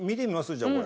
じゃあこれ。